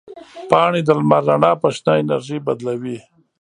پاڼې د لمر رڼا په شنه انرژي بدلوي.